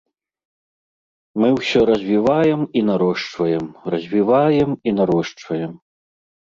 Мы ўсё развіваем і нарошчваем, развіваем і нарошчваем.